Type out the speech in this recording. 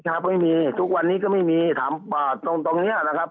ครับไม่มีทุกวันนี้ก็ไม่มีถามตรงตรงเนี้ยนะครับ